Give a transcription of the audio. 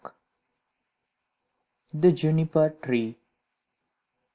THE JUNIPER TREE.